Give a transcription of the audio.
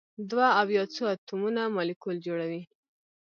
دوه او یا څو اتومونه مالیکول جوړوي.